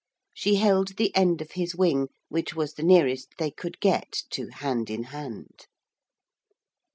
She held the end of his wing, which was the nearest they could get to hand in hand.